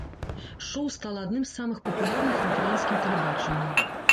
Шоў стала адным з самых папулярных на ўкраінскім тэлебачанні.